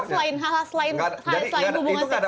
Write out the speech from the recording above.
itu tidak ada masalah sebenarnya